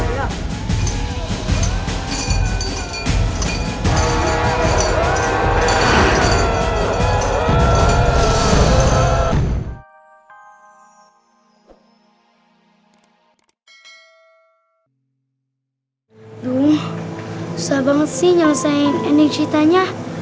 duh susah banget sih nyelesain ending ceritanya